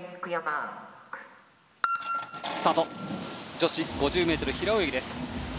女子５０ｍ平泳ぎです。